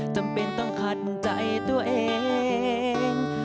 จำเป็นต้องขัดมือใจตัวเอง